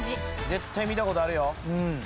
・絶対見たことあるよ。